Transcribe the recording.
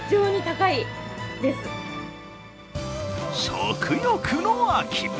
食欲の秋。